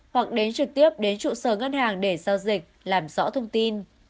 hoặc đến trực tiếp đến trụ sở ngân hàng để giao dịch làm rõ thông tin